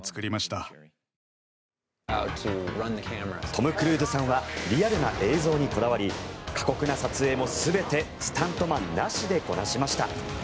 トム・クルーズさんはリアルな映像にこだわり過酷な撮影も全てスタントマンなしでこなしました。